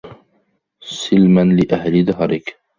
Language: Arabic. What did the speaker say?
سِلْمًا لِأَهْلِ دَهْرِك